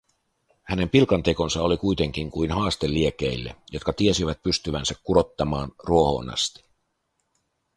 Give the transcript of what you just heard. Hänen pilkantekonsa oli kuitenkin kuin haaste liekeille, jotka tiesivät pystyvänsä kurottamaan ruohoon asti.